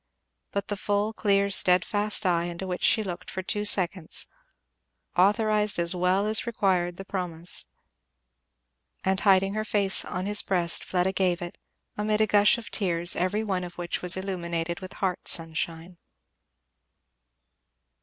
But the full, clear, steadfast eye into which she looked for two seconds, authorized as well as required the promise; and hiding her face again on his breast Fleda gave it, amid a gush of tears every one of which was illumined with heart sunshine.